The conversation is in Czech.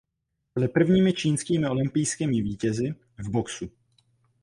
Byli prvními čínskými olympijskými vítězi v boxu.